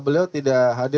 sebagai ahli tidak ada hari